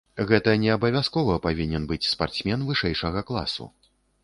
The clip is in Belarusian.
Гэта не абавязкова павінен быць спартсмен вышэйшага класу.